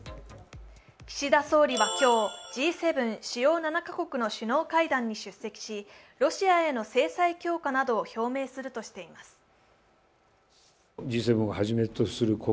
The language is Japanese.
岸田総理は今日Ｇ７＝主要７か国の首脳会談に出席しロシアへの制裁強化などを表明するとしています。